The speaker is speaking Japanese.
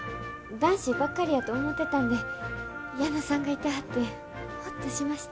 男子ばっかりやと思ってたんで矢野さんがいてはってホッとしました。